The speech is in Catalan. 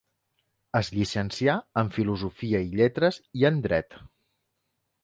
Es llicencià en filosofia i lletres i en dret.